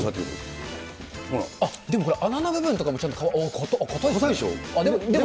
あっ、でもこれ、穴の部分とかも、あっ、硬いでしょ？